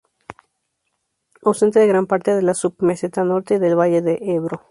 Ausente de gran parte de la submeseta norte y del valle del Ebro.